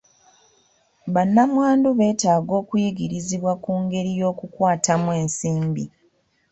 Bannamwandu beetaaga okuyigirizibwa ku ngeri y'okukwatamu ensimbi.